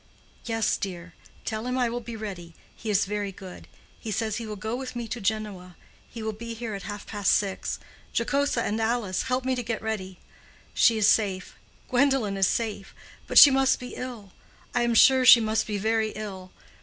"Yes, dear. Tell him I will be ready—he is very good. He says he will go with me to Genoa—he will be here at half past six. Jocosa and Alice, help me to get ready. She is safe—Gwendolen is safe—but she must be ill. I am sure she must be very ill.